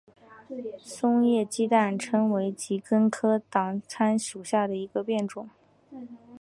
松叶鸡蛋参为桔梗科党参属下的一个变种。